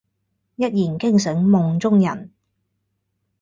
一言驚醒夢中人